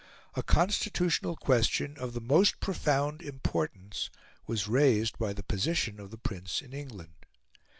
A constitutional question of the most profound importance was raised by the position of the Prince in England.